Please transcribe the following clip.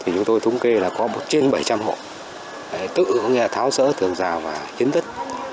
chúng tôi thống kê là có một bảy trăm linh hộ tự tháo sở thường rào và kiến thức